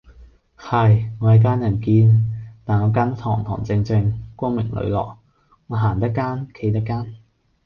係，我係奸人堅，但我奸得堂堂正正，光明磊落，我行得奸，企得奸!